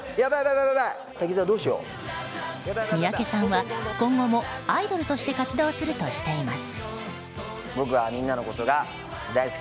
三宅さんは今後もアイドルとして活動するとしています。